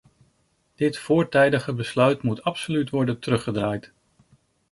Dit voortijdige besluit moet absoluut worden teruggedraaid.